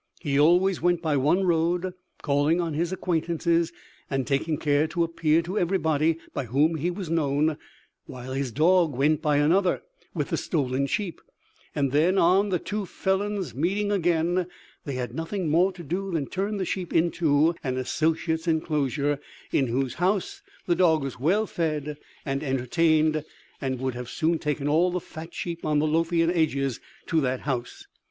He always went by one road, calling on his acquaintances, and taking care to appear to everybody by whom he was known, while his dog went by another with the stolen sheep; and then, on the two felons meeting again, they had nothing more to do than turn the sheep into an associate's enclosure, in whose house the dog was well fed and entertained, and would have soon taken all the fat sheep on the Lothian edges to that house.